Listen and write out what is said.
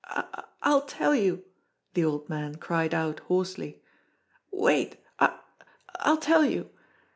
"I I'll tell you," the old man cried out hoarsely. "Wait ! I I'll tell you.